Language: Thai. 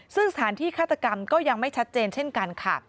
ซึ่งสถานที่ฆาตกรรมก็ยังไม่ชัดเจนเช่นกันค่ะ